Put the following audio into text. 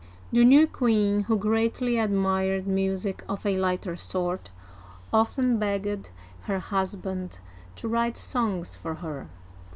The new queen, who greatly admired music of a lighter sort, often begged her husband to write songs for her.